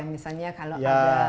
misalnya kalau ada